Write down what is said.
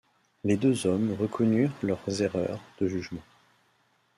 Les deux hommes reconnurent leurs erreurs de jugement.